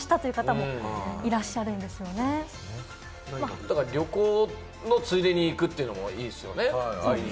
ただ、旅行のついでに行くっていうのもいいですよね。